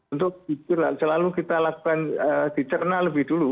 untuk selalu kita lakukan di cerna lebih dulu